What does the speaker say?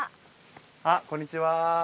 あっこんにちは！